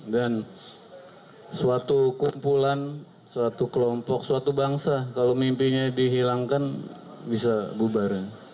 dan suatu kumpulan suatu kelompok suatu bangsa kalau mimpinya dihilangkan bisa bubar